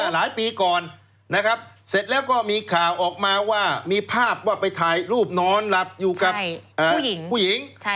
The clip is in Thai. หลายปีก่อนนะครับเสร็จแล้วก็มีข่าวออกมาว่ามีภาพว่าไปถ่ายรูปนอนหลับอยู่กับผู้หญิง